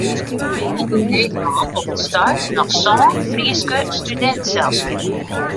Der binne yn Nederlân op it stuit noch sân Fryske studinteselskippen.